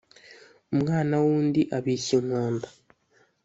Umwana w’undi abishya inkonda.